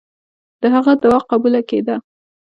د هغه دعا قبوله کېده.